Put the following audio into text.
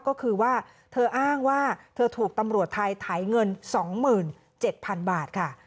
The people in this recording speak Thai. ก็คือว่าเธออ้างว่าเธอถูกตำรวจไทยไถเงิน๒๗๐๐๐บาทค่ะ